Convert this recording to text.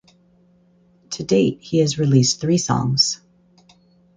To date he has released three songs.